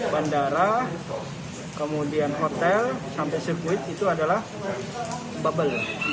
bandara kemudian hotel sampai sirkuit itu adalah bubble